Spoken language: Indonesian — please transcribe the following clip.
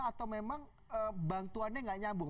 atau memang bantuannya nggak nyambung